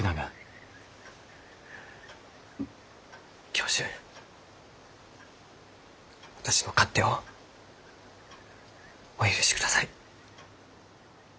教授私の勝手をお許しください。